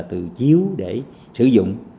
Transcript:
từ chiếu để sử dụng